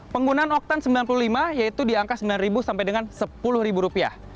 penggunaan oktan sembilan puluh lima yaitu di angka sembilan sampai dengan sepuluh rupiah